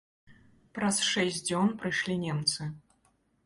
Праз шэсць дзён прыйшлі немцы.